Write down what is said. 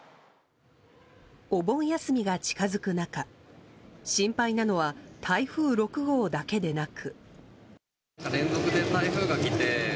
お盆休みが近づく中心配なのは台風６号だけでなく。